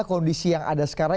kondisi yang ada sekarang